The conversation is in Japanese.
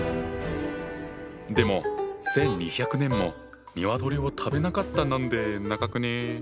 でも１，２００年も鶏を食べなかったなんて長くね？